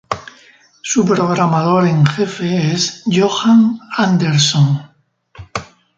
Su programador en jefe es Johan Andersson.